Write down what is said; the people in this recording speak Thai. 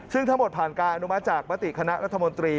ซึ่งทั้งหมดผ่านการอนุมัติจากมติคณะรัฐมนตรี